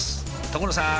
所さん！